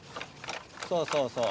そうそうそう。